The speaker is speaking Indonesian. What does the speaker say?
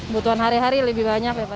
butuhan hari hari lebih banyak ya pak